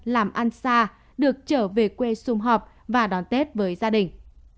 làm ăn xa được trở về quê xung họp và đón tết với gia đình